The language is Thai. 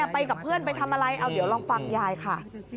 ไปกับเพื่อนไปทำอะไรเอาเดี๋ยวลองฟังยายค่ะ